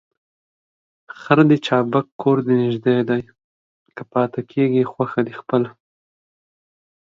خر دي چابک کور دي نژدې دى ، که پاته کېږې خوښه دي خپله.